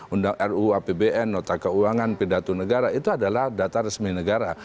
undang ruu apbn nota keuangan pidato negara itu adalah data resmi negara